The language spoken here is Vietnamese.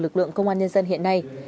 lực lượng công an nhân dân hiện nay